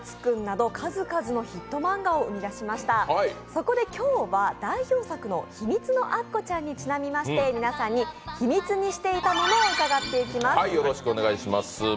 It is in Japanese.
そこで今日は代表作の「ひみつのアッコちゃん」にちなみまして、皆さんに秘密にしていたものを伺っていきます。